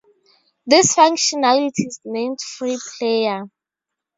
This functionality is named Freeplayer.